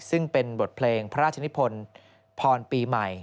ซึ่งเป็นบทเพลงพระราชนิพลพรปีใหม่